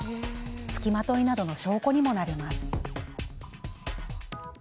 つきまといなどの証拠にもなります。